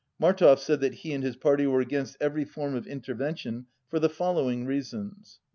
Mar tov said that he and his party were against every form of intervention for the following reasons: 1.